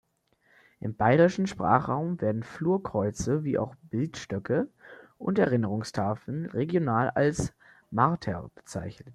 Im bairischen Sprachraum werden Flurkreuze, wie auch Bildstöcke und Erinnerungstafeln, regional als „Marterl“ bezeichnet.